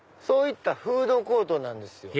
そういったフードコートです。